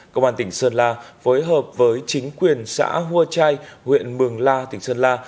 công an tỉnh sơn la phối hợp với chính quyền xã hua trai huyện mường la tỉnh sơn la